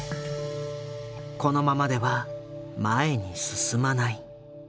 このままでは前に進まない。